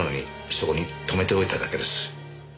そこにとめておいただけです。